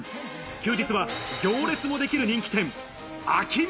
休日は行列のできる人気店・秋光。